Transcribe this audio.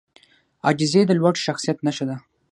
عاجزي د لوړ شخصیت نښه ده.